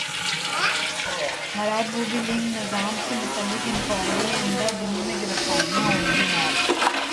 واردموبی link انضمام سے متعلق انکوائری ئندہ دنوں میں گرفتاریاں ہوں گی نیب